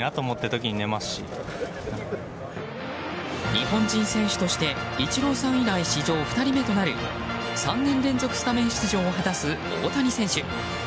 日本人選手としてイチローさん以来史上２人目となる３年連続スタメン出場を果たす大谷選手。